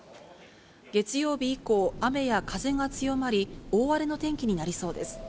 月曜日以降、雨や風が強まり、大荒れの天気になりそうです。